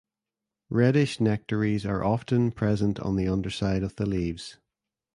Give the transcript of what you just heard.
Reddish nectaries are often present on the underside of the leaves.